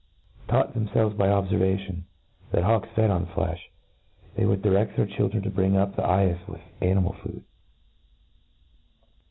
Taught them . iehrei^ by obfcrvation, tteit hawks fed on flefli, they would direft their children to bring tip th^ eyefle& wkh animal food.